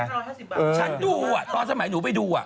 ฉันดูอ่ะตอนสมัยหนูไปดูอ่ะ